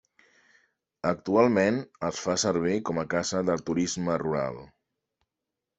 Actualment es fa servir com a casa de turisme rural.